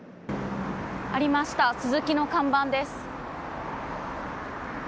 ありました、スズキの看板です。